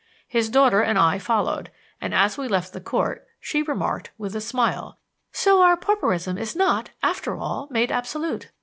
His daughter and I followed, and as we left the Court she remarked, with a smile: "So our pauperism is not, after all, made absolute.